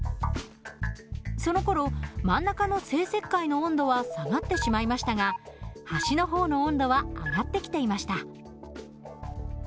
そのころ真ん中の生石灰の温度は下がってしまいましたが端の方の温度は上がってきていました。